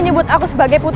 semoga kau selamat